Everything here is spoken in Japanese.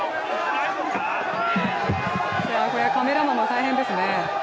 これはカメラマンも大変ですね。